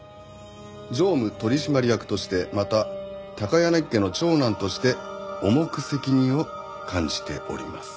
「常務取締役としてまた高柳家の長男として重く責任を感じております」